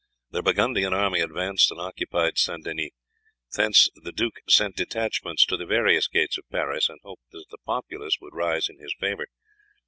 The Burgundian army advanced and occupied St. Denis, thence the duke sent detachments to the various gates of Paris in hopes that the populace would rise in his favour.